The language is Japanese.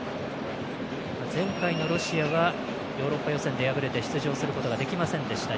前回のロシアはヨーロッパ予選で敗れて出場することができませんでした。